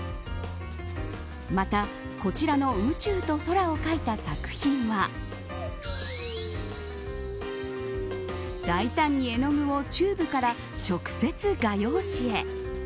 また、こちらの宇宙と空を描いた作品は大胆に絵の具をチューブから直接、画用紙へ。